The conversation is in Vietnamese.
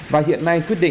và hiện nay quyết định